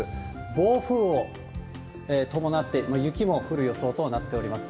暴風を伴って、雪も降る予想となっております。